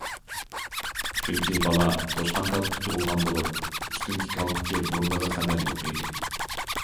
چۈنكى بالا توشقان كالپۇك تۇغۇلغان بولۇپ، ئۈستۈنكى كالپۇكى بۇرنىغا قەدەر يوق ئىدى.